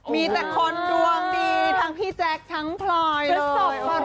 มีแต่คนดวงดีทั้งพี่แจ๊คทั้งพลอย